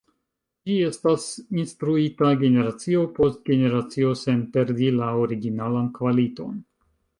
Ĝi estas instruita generacio post generacio sen perdi la originalan kvaliton.